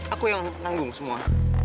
aku yang nanggung semua